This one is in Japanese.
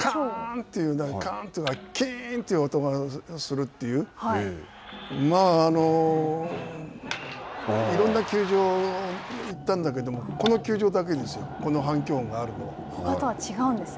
カーンという、キーンという音がするという、まあ、いろんな球場に行ったんだけど、この球場だけですよ、あとは違うんですね。